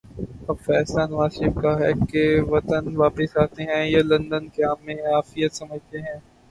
اب فیصلہ نوازشریف کا ہے کہ وطن واپس آتے ہیں یا لندن قیام میں عافیت سمجھتے ہیں۔